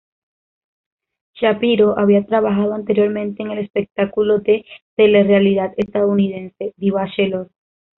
Shapiro había trabajado anteriormente en el espectáculo de telerrealidad estadounidense "The Bachelor".